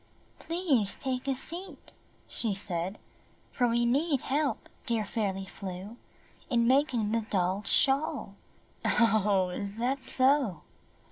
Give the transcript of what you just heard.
"Please take a seat," she said, "for we need help, dear Fairly Flew, in making the doll's shawl." "Oh, is that so?"